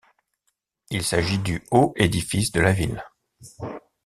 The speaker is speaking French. Il s'agit du haut édifice de la ville.